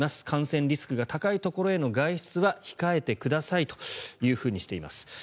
感染リスクが高いところへの外出は控えてくださいというふうにしています。